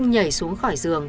khiến nạn nhân xuống khỏi giường